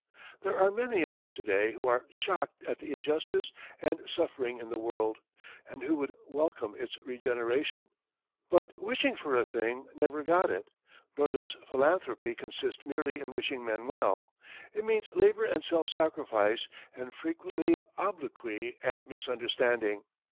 There are many of us to day who are shocked at the injustice and suffering in the world, and who would welcome its regeneration. But wishing for a thing never got it. Nor does philanthropy consist merely in wishing men well. It means labor and self sacrifice, and frequently obloquy and misunderstanding.